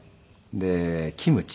でキムチ。